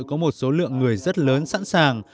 có một số lượng người rất lớn sẵn sàng